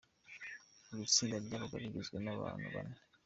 Buri tsinda ryabaga rigizwe n'abantu bane.